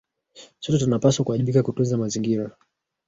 Sote tunapaswa kuwajibika kutunza mazingira